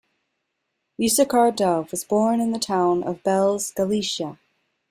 Yissachar Dov was born in the town of Belz, Galicia.